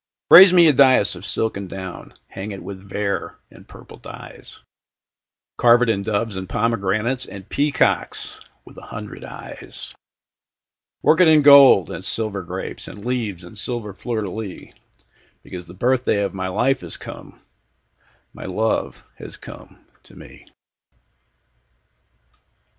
Raise me a daïs of silk and down; Hang it with vair and purple dyes; 10 Carve it in doves and pomegranates, And peacocks with a hundred eyes; Work it in gold and silver grapes, In leaves and silver fleurs de lys; Because the birthday of my life 15 Is come, my love is come to me.